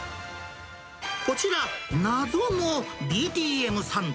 こちら、謎のＢＴＭサンド。